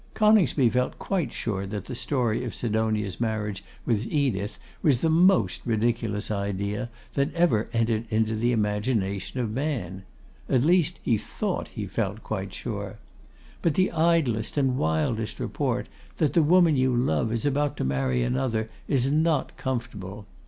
Coningsby felt quite sure that the story of Sidonia's marriage with Edith was the most ridiculous idea that ever entered into the imagination of man; at least he thought he felt quite sure. But the idlest and wildest report that the woman you love is about to marry another is not comfortable.